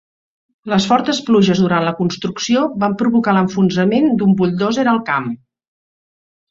Les fortes pluges durant la construcció van provocar l'enfonsament d'un buldòzer al camp.